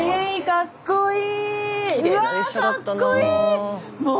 かっこいい！